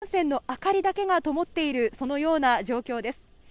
暗闇の中で新幹線の明かりだけがともっているそのような状況です。